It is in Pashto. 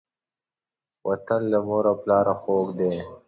وطن له مور او پلاره خوږ دی.